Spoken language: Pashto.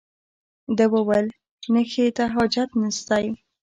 ده وویل نخښې ته حاجت نشته.